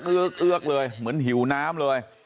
เอือกเลยเหมือนหิวน้ำเลย